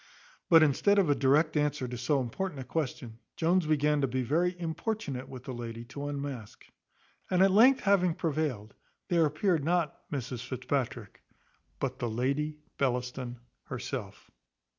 But instead of a direct answer to so important a question, Jones began to be very importunate with the lady to unmask; and at length having prevailed, there appeared not Mrs Fitzpatrick, but the Lady Bellaston herself.